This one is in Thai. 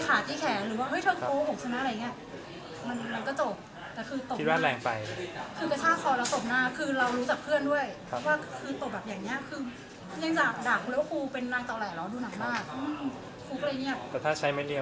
ไอ้ยตีขาตีแขนหรือว่าเอ้ยเธอกโโปหกชนะอะไรแบบเนี้ย